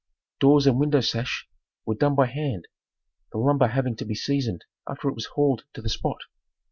Doors and window sash were done by hand, the lumber having to be seasoned after it was hauled to the spot.